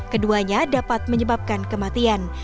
keduanya dapat menyebabkan kematian